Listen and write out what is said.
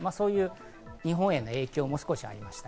日本への影響も少しありました。